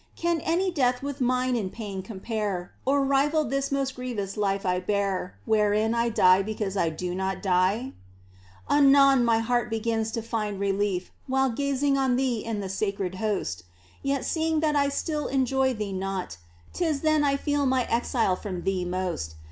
Can any death with mine in pain compare. Or rival this most grievous life I bear Wherein I die because I do not die ? Anon my heart begins to find relief While gazing on Thee in the Sacred Host, Yet seeing that I still enjoy Thee not Tis then I feel my exile from Thee most.